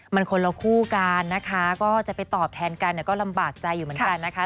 มันคนละคู่กันนะคะก็จะไปตอบแทนกันก็ลำบากใจอยู่เหมือนกันนะคะ